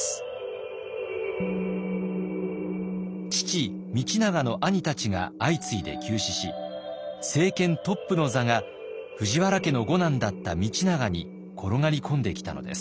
父道長の兄たちが相次いで急死し政権トップの座が藤原家の五男だった道長に転がり込んできたのです。